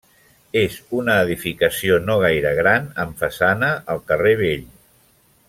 És una edificació no gaire gran amb façana al carrer vell.